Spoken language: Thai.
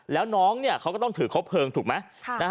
แล้วน้องเขาก็ต้องถือครบเพลิงถูกไหม